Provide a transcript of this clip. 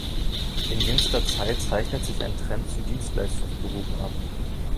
In jüngster Zeit zeichnet sich ein Trend zu Dienstleistungsberufen ab.